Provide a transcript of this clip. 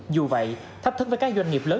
dù vậy thách thức với các doanh nghiệp lớn